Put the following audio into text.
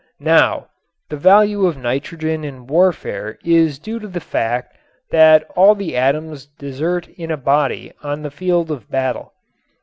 Now, the value of nitrogen in warfare is due to the fact that all the atoms desert in a body on the field of battle.